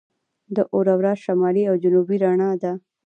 د اورورا شمالي او جنوبي رڼا ده.